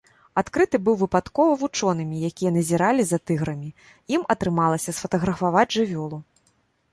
Адкрыты быў выпадкова вучонымі, якія назіралі за тыграмі, ім атрымалася сфатаграфаваць жывёлу.